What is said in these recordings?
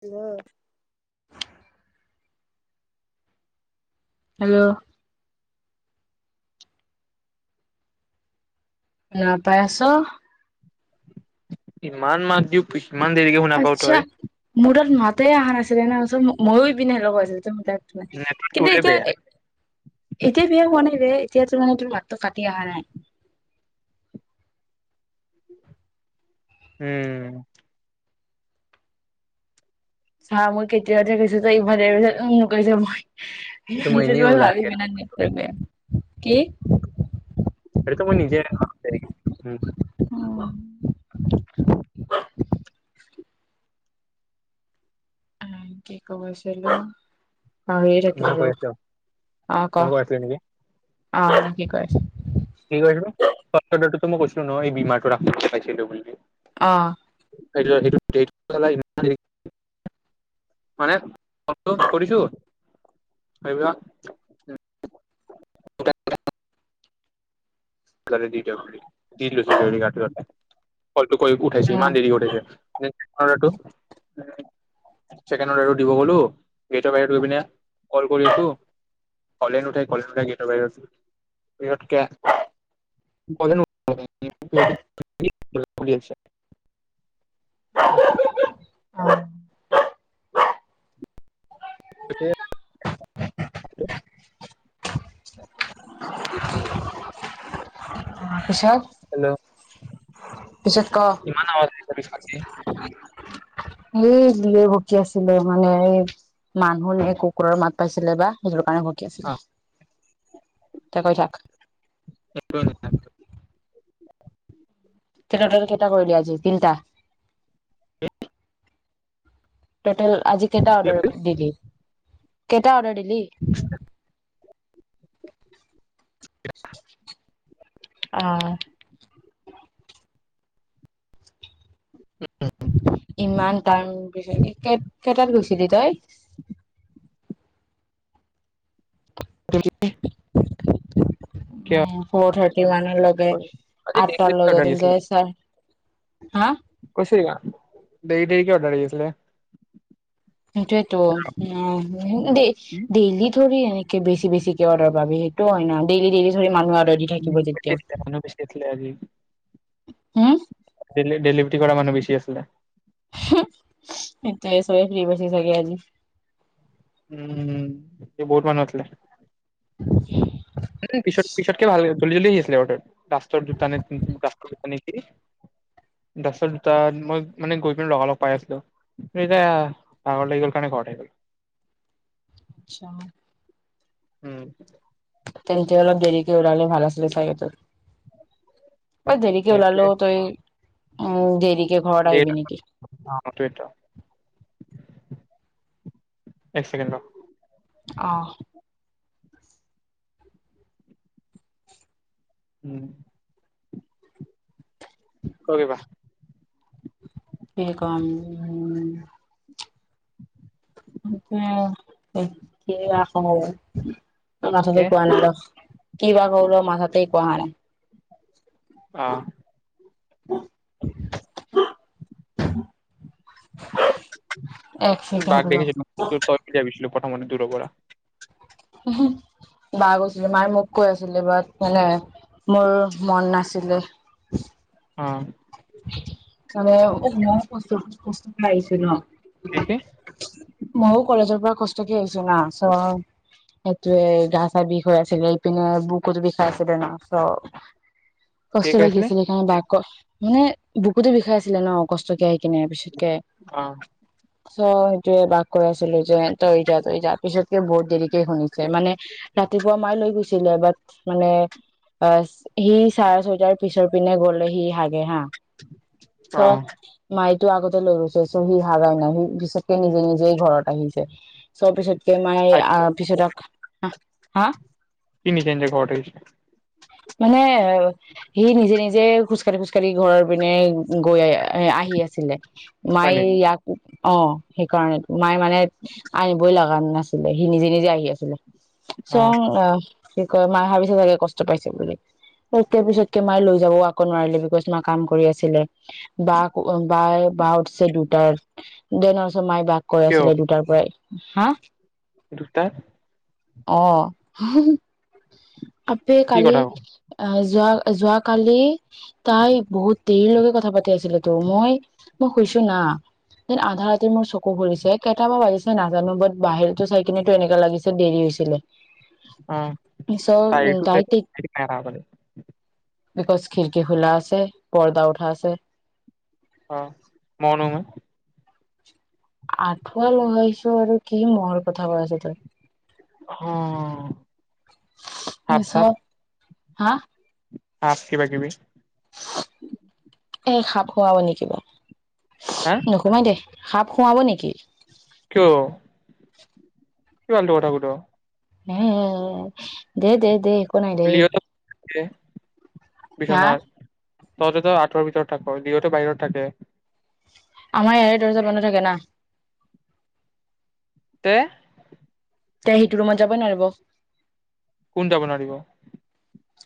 Hello, hello শুনা পাইছ? ইমান মাত দিয়ো প আচ্ছা, মোৰতাত মাতেই আহা [unintelligible] নেটৱৰ্ক কিন্তু তোৰে বেয়া এতিয়া-এতিয়া বিয়া হোৱা বে। এতিয়া টো মানে মাতটো কাটি অহা নাই। উম, চা মই কেতিয়াতে কৈছো তই ইফালে ও কৈছ, মই এইটো সেইটোত এনেই মই ওলাই ভাবিম ন বে। কি? এইটো মই নিজে [unintelligible] উম, আহ, কি কব খ আছিলো মা চিলো। কৈ আছ [unintelligible] মই কৈ আছিলো নেকি অ কি কৈ আছ কি কৈ আছিলোঁ। [unintelligible] ত মই কৈচিলো নহয় এই ভী মাৰ্টত ৰাখ পাইছিলো বুলি। অ [unintelligible] [unintelligible] ফলটো কৰি উঠাইছে অ ইমান দেৰি উঠাইছে। অদাৰটো মানে ছেকেণ্ড আকৌ দিব গলো গেটৰ বাহিৰত গৈপিনে কল কৰি আছো কলে নুঠায় কলে নুঠাই গেটৰ বাহিৰত আছো সিহঁতে [unintelligible] [unintelligible] অ। স [unintelligible] [unintelligible] অ। কছা [inaudible] কিমান ন ত খালে [inaudible] এই বি [unintelligible] ভকি আছিলে মানে এই মানুহ নে কুকুৰৰ মাত পাইছিলে বা। সকী আছিলে এ কৈ থাক। [unintelligible] তে নটৰে কেইটা কলে আজি। তিনিটা। হন। টোটেল আজি। কেইটা অৰ্ডাৰ দিলি। কেইটা অৰ্ডাৰ দে এনেই উম অহ উম ইমান টাইম পিছত কেইটাত গৈছিলি তই দিউটিলে উম ফো'ৰথাৰ্টি মান লৈকে আঠটা লৈকে হা কৈছো কিবা ডেৰি ডেৰি কে অৰ্ডাৰ আহি আছিলে সেইটোৱেইতো উম ডেইলি থোৰি এনে কে বেছি বেছি কে অৰ্ডাৰ পাবি সেইটো হয় ন ডেইলি ডেইলি ধৰি মানুহ আৰু অৰ্ডাৰ থাকিব যেতিয়াও হম ডেলি ডেলিভাৰী কৰা মানুহ বেছি আছিলে এইটোৱে চবে ফ্ৰী পাইছে চাগে আজি উম এ বহুত মানুহ আছিলে অহ উম পিছত পিছত কে ভাল লাগিব জলদি জলদি আহিছিলে অৰ্ডাৰ লাষ্টৰ দোতানে লাষ্টৰ দোতা নিকি লাষ্টৰ দোতা মই মানে গৈ পিনি লগালগ পাই আছিলো এতিয়া লাগি গল কাৰণে ঘৰত আলহী গল আচ্ছা উম তেন্তে অলপ দেৰিকে উলালেও ভাল আছিলে চাৰিটাত অই দুটা নেকি লাষ্টৰ দুটা মই মানে গৈ পিনে লগালগ পাই আছিলো কিন্তু দেৰিকে এতিয়া ভাগৰ লাগি গ'ল কাৰণে ঘৰত আহি গ'লো উম, সেইটোৱে ওলালেও তই উম দেৰিকে ঘৰত দেৰি আহিবি অ' নেকি সেইটোৱেতো এক চেকেণ্ডৰ অহ উম কোৱা কিবা। কি কম? [unintelligible] মাঠাটে কে একো অহা নাই ন। কি বা কও ৰহ মাঠাটে একো অহা নাই অ [unintelligible] [unintelligible] [unintelligible] এক তোৰ ছেকেণ্ড বাক ৰ দেখিছিলো সেইটো তই বুলি ভাবিছিলো। প্ৰথমতে দূৰৰ পৰা। বা গৈছিলে মায়ে মোক কৈ আছিলে বাট মানে মোৰ মন নাছিলে। ওম মানে মই কৈছো কষ্ট এটা আহিছে ন কি কি ময়ো কলেজৰ পৰা কষ্ট কে আহিছো না, চ সেইটোৱে গা চাহ বিষ হৈ আছিলে ইপিনে বুকুৰ বিষাইছিলে না চ কি কষ্ট কৈ লাগি আছিলে সেইকাৰণে বাক মানে বুকুতো বিষাই আছিলে ন অ কষ্টকেয় কিনোৰ পিছতকে অ চ সেইটোৱে বাক কৈ আছে ছিল যে য য পিছত বহুত দেৰিকে শুনিছে মানে ৰাতিপুৱা মাই লৈ গৈছিলে বাট মানে অ সি চাৰ ছয়টাৰ পিছৰ পিনে গ'লে সি হা এ হা চ অ মাইক টো আগতে লৈ গৈছে চ' সি হাগাই চনত নাই সি পিছতকে নিজে নিজেই ঘৰত আহিছে চ' পিছত মাই আহ পিছত, ক হ হা? সি নিজে নিজে ঘৰত আহিছে মানে সি নিজে নিজে খোজকাঢ়ি খালি ঘৰৰ পিনে গৈ আহ আহি আছিলে। হয় মায়য় নেকি ইয়াকো। অ সেইকাৰণ মায়ে মানে আনিবই লগা নাছিলে সি নিজে নিজে আহি আছিলে। চ অ আহ। কি কয় মায়ে ভাবিছে চাগে কষ্ট পাইছে বুলি তেয়া পিছতকে মায়ে লৈ যাব আকৌ নোৱাৰিলে, বিকজ মা কাম কৰি আছিলে বা ক বাই বা উঠিছে দুটাৰ দেৰ টা মাই বাস কৰে আছিলে, দুটাৰ পৰাই হা? দুুটাত অহ আপে কি কালি কথা হ'ল আ। যোৱা যোৱ কালি তাই বহুত দেৰিলৈকে কথা পাতি আছিল তো মই মই শুইছো না দেন আধা ৰাতিৰ মোৰ চকু ফুৰিছে কেইটাবা বাজিছে নাজানো বাত বাহিৰতো চাই কিনেো এনেকা লাগিছে দেৰি হৈছিলে। অ চাইড চ' টু তাই ঠিক চাইডাই প বিকজ খিড়কী খোলা আছে পৰ্দা উঠা আছে। অ মও নুহোমাই আঠুৱা লগহাইছো আৰু কি মহৰ কথা কৈ আছ তই অ ভাট জাত চব হা আক কিবাকিবি। এই সাপ সোমাব নেকি কিবা। হা নোসোমাই দে। সাপ সোমাব নেকি। কিয়? কিয় ফালটো কথা সুধ? উম দে দে দে। একো নাই দেই। কি বিচনাত। তহতে তই আঁঠৰ ভিতৰত থাক সিহঁতে বাহিৰত থাকে। আমাৰ ইয়াৰে দৰ্জা বন্ধ থাকে না। তে তে সেইটো ৰুমত যাবই নোৱাৰিব। কোন যাব নোৱাৰিব।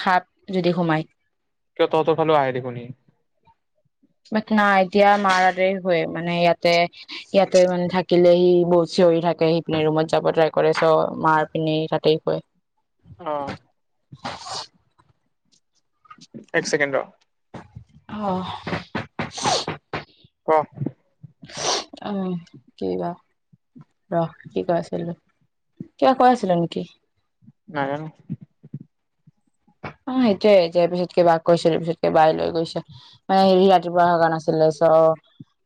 সাপ যদি সোমায়। কিয় তহতৰ ফালে আহে দেখোন সি ব নাই এতিয়া মাৰ তাতে হয় মানে ইয়াতে ইয়াতে মানে থাকিলে সি বৰ চিঞৰি থাকে সিপিনে ৰুমত যাব ট্ৰাই কৰে চ মাৰ পিনে থাকিব। অ আ এক চেকেণ্ড ৰ, অ অ উম উম কিবা ৰখ কি কৈ আছিলো কিবা কৈ আছিলো নেকি। নাজানো অ সেইটোৱে যে পিছতকে বাাক কৈছিলে পিছতকে বাই লৈ গৈছে মানে হেৰি ৰাতিপুৱা হা নাছিলে চ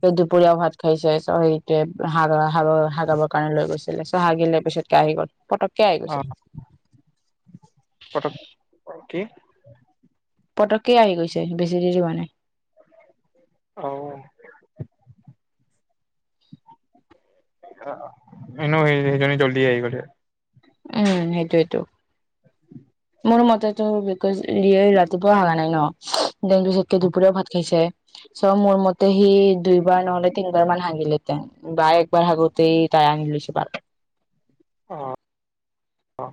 স দুপৰীয়াও ভাত খাইছে চ সেইটোৱে হাগ হ হাগাবৰ কাৰণে লৈ গৈছিলে চ হাগিলে পিছতকে আহি গল। পটককে আহি গৈছে। পটক কি পটককে আহি গৈছে বেছি দেৰি হোৱা নাই। অ এনেও হেৰি জনি জল্দিয়ে আহি গৈছে। উম সেইটোৱেটো। মোৰ মতেইতো বিকজ ৰাতিপুৱা হোৱা নাই ন। ডেংগু চতকে দুপৰীয়াও ভাত খাইছে। চ মোৰ মতে সি দুই বাৰ নহ'লে তিন বাৰমান হাগিলে তাই বা একবাৰ হাগোতে তাই আঙিলি স বাৰ। অ অ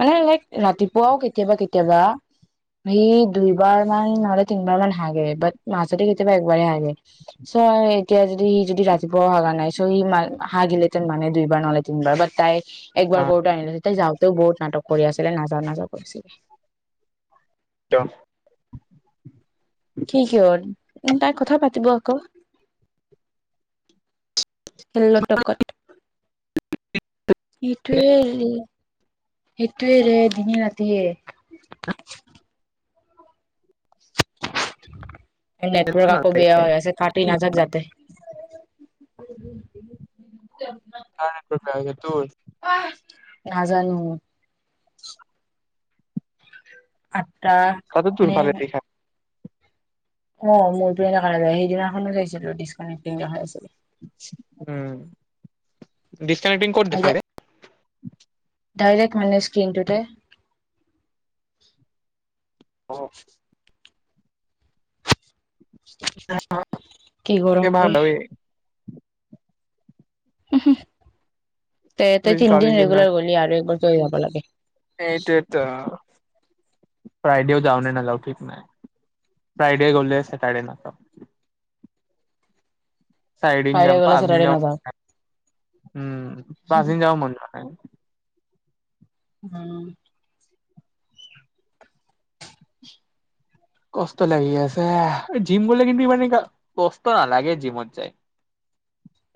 মানে লাইক ৰাতিপুৱাও কেতিয়াবা কেতিয়াবা সি দুইবাৰ মান নহলে তিনিবাৰ মান হাগে ব মাাজতে কেতিয়াবা একবাৰ হাগে চ' এতিয়া যদি সি যদি ৰাতিপুৱাও হাগা নাই চ' সি হাগিলেহতেন মানে দুইবাৰ নহ'লে তিনিবাৰ বাট তাই। অ একবাৰ কৰোতে হাগিলে তে যাওঁ। ত' বহুত নাটক কৰি আছিলে নাজাও-নাজাও কৰিছিলে। ত' কি', -কি ', হ'ল তাই কথা পাতিব আকৌ। তকত সেইটোৱে হেৰি সেইটোৱেৰে দিনে ৰাতিয়ে, নেটৱৰ্ক আকৌ বেয়া হৈ আছে কাটি নাযাক যাতে। [unintelligible] [unintelligible] সেইটো, নাজানো, আঠতা তাতো তোৰ নে', ফালে দেখা অ', মোৰতো এনেকুৱা নায় সেইদিনাখনো চাইছিলো ডিচকানেক্টটিং দেখাই আছিলে। উম', ডিছকানেক্টিং ক'ত দেখাই ৰে? [unintelligible] ডাইৰেক্ট মানে স্ক্ৰিনটোতে, [unintelligible] কি গৰম ৰে [unintelligible] হু- হু তে তই কালি তিনদিন ৰেগুলাৰ গ'লি আৰু একবাৰ, লৈ যাব লাগে। সেইটোৱেটো ফ্ৰাইডেও যাওঁ, নে নাযাওঁ ঠিক নাই, ফ্ৰাইডে গ'লে চেটাৰডে নাযাওঁ। চাৰিদিন ফ্ৰাইডে যাম, গ'লে পাঁচদিন চেটাৰডে যাব, নাযাও উম পাঁচদিন যাব মন যোৱা নাই। উম', কষ্ট লাগি আছে জিম বুলিলে কিন্তু ইমানকে কষ্ট নেলাগে, জিমত যায়।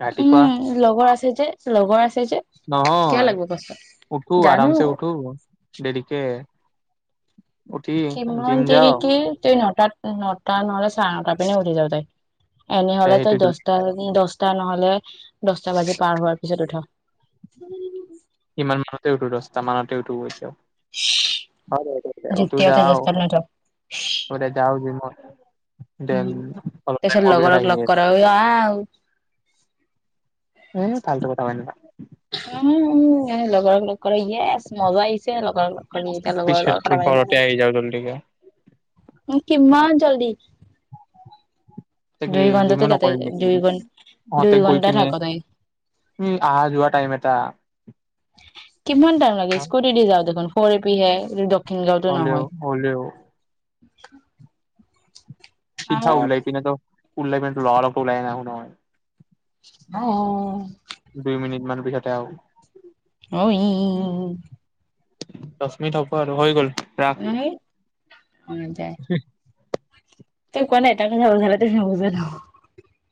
ৰাতিপুৱা উম', লগৰ আছে যে লগৰ আছে। যে কিয় নহয় লাগিব কষ্ট উঠো জানো আৰামছে উঠো। দেৰিকে, উঠি কিমান জিম দেৰি যাও কে তই নটাত, উম', নটা নহলে, চাৰেনটা পিনে উঠি যাই তাই, এনেহ'লে ত', সেইটো দস্তা বাজি দচ, তাই নহলে, দহটা বাজি পাৰ হোৱাৰ পিছত উঠা, উম। ইমান মানতে উঠো দস্তা মানতে উঠো কাছে। অ তু যেতিয়াও তই যও দহটাত নুঠ বলে যও য ম [inaudible] উম, তাৰ পিছত টাইমৰ লগৰ [unintelligible] আহি লগ কৰা আ এ ফালটো কথা কয় নাথাক অ, অ। ক'ল বৰ [unintelligible] ই মজা আহিছে লগৰ লগ এতি লগৰ পিছতকে ঘৰতে লগ আহি যাও জল্দিকে [inaudible] কিমান জল্দি। কি দুই ঘন্টাটো জিমো যাতে নকৰিম নেকি দুই ঘ দুই তহঁতে গৈ ঘন্টা পিনে থাক তই উম আহা যোৱা টাইম এটা কিমান টাইম লাগে স্কুটি দি যাও দেখোন। কৰিবিহে কি দক্ষিণ গাঁওতো হলেও নহয়। [inaudible] হলেও চিধা উলাই পিনে তই উলাই পিনে লগালগটো ওলাই নাহো নহয়। আহ। য'তে আহ। অ, আহ। দশ মিনিট হব আৰু হৈ গ'ল। ৰাখ। [unintelligible] অ দে। তই কোৱা নাই তাক কথা পাতি আছিলো বজ [inaudible] ন